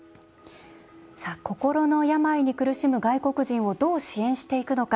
心の病に苦しむ外国人をどう支援していくのか。